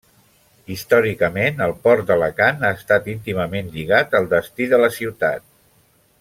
Històricament el port d'Alacant ha estat íntimament lligat al destí de la ciutat.